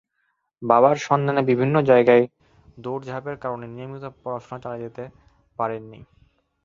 বাবার সন্ধানে বিভিন্ন জায়গায় দৌড়ঝাঁপের কারণে নিয়মিত পড়াশোনা চালিয়ে যেতে পারেননি।